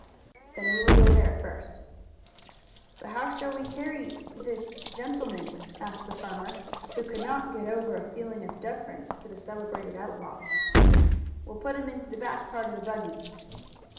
"Then we will go there first." "But how shall we carry this gentleman?" asked the farmer, who could not get over a feeling of deference for the celebrated outlaw. "We'll put him into the back part of the buggy."